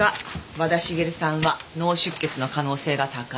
和田茂さんは脳出血の可能性が高い。